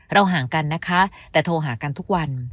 ห่างกันนะคะแต่โทรหากันทุกวัน